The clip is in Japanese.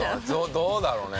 どうだろうね。